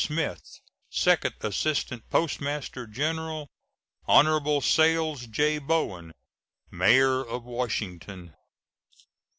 Smith, Second Assistant Postmaster General; Hon. Sayles J. Bowen, mayor of Washington.